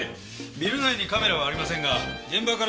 ビル内にカメラはありませんが現場から４０メートル